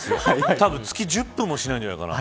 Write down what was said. たぶん月１０分もしないじゃないかな。